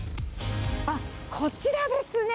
あっ、こちらですね。